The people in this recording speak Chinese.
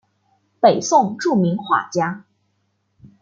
北宋著名画家。